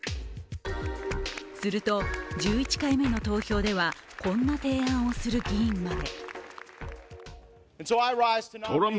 すると１１回目の投票ではこんな提案をする議員まで。